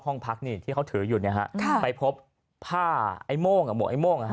ห้องพักที่เขาถืออยู่เนี่ยไปพบผ้าไอ้โม่งหมวกไอ้โม่ง